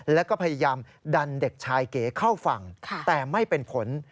แล้วก็พยายามดันเด็กชายเก๋เข้าฝั่งแต่ไม่เป็นผล